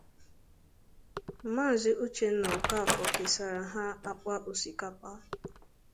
Maazị Uchenna Okafor kesààrà ha akpa osikapa